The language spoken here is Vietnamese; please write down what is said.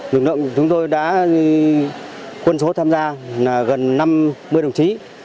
lực lượng của chúng tôi đã quân số tham gia là gần năm mươi đồng chí